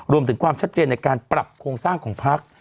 รวมถึงความชัดเจนในการปรับโครงสร้างของพัก